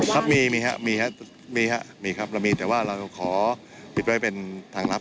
ครับมีครับก็มีแต่ว่าเราขอปิดไว้เป็นทางลับ